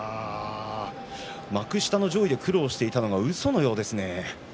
幕下の上位で苦労していたのがうそのようです。